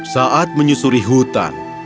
saat menyusuri hutan